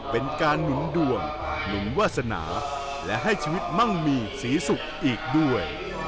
เป็นการหนุนดวงหนุนวาสนาและให้ชีวิตมั่งมีศรีสุขอีกด้วย